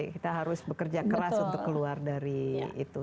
kita harus bekerja keras untuk keluar dari itu